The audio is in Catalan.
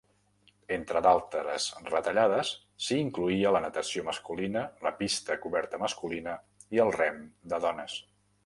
Entre d'altres retallades s'hi incloïa la natació masculina, la pista coberta masculina i el rem de dones.